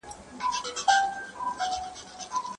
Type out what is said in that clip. هغه خپل ځان وساتی او ستونزه يې حل کړه.